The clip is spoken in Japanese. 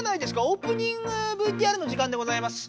オープニングＶＴＲの時間でございます。